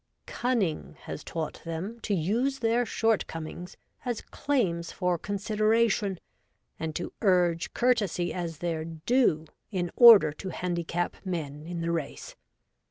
Cunning has taught them to use their shortcomings as claims for consideration, and to urge courtesy as their due in order to handicap men in the race.